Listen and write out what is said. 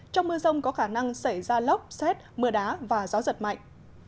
trong mưa rông có khả năng xảy ra lốc xét mưa đá và gió giật mạnh